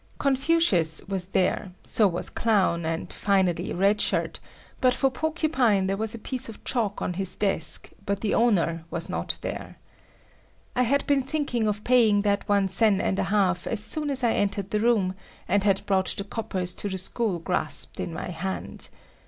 "Confucius" was there, so was Clown, and finally Red Shirt, but for Porcupine there was a piece of chalk on his desk but the owner was not there. I had been thinking of paying that one sen and a half as soon as I entered the room, and had brought the coppers to the school grasped in my hand.